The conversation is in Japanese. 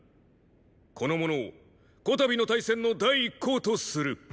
この者を此度の大戦の第一功とする。